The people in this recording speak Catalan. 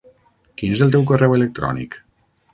Quin és el teu correu electrònic?